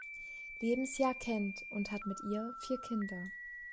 Lebensjahr kennt, und hat mit ihr vier Kinder.